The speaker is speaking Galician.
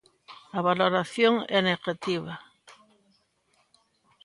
A valoración é negativa.